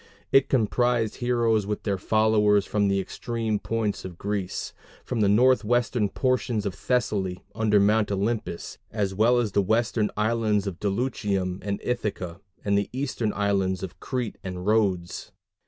It comprised heroes with their followers from the extreme points of Greece from the northwestern portions of Thessaly under Mount Olympus, as well as the western islands of Dulichium and Ithaca, and the eastern islands of Crete and Rhodes.